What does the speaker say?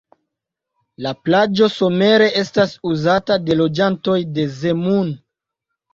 La plaĝo somere estas uzata de loĝantoj de Zemun.